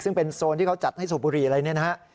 ซึ่งเป็นโซนที่เขาจัดให้สูบบุรีอะไรอย่างนี้